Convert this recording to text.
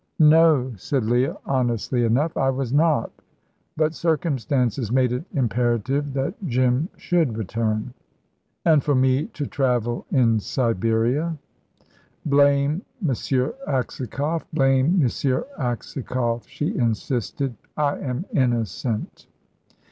"No," said Leah, honestly enough. "I was not; but circumstances made it imperative that Jim should return." "And for me to travel in Siberia?" "Blame M. Aksakoff, blame M. Aksakoff," she insisted. "I am innocent."